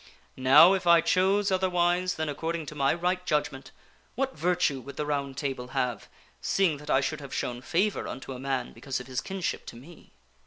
Now if 1 chose otherwise than according to my right judgment, what virtue would the Round Table have, seeing that I should have shown favor unto a man because of his kinship to me?"